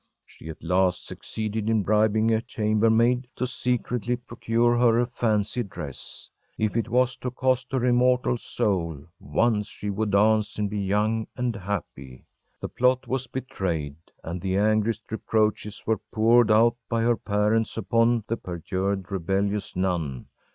She at last succeeded in bribing a chambermaid to secretly procure her a fancy dress. If it was to cost her immortal soul, once she would dance and be young and happy! The plot was betrayed, and the angriest reproaches were poured out by her parents upon the perjured, rebellious nun!